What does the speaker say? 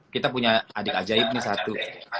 kita punya adik ajaib nih satu